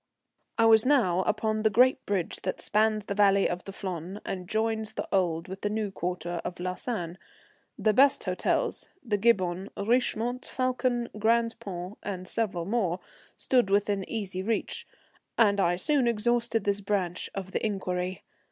I was now upon the great bridge that spans the valley of the Flon and joins the old with the new quarter of Lausanne. The best hotels, the Gibbon, Richemont, Falcon, Grand Pont, and several more, stood within easy reach, and I soon exhausted this branch of the inquiry.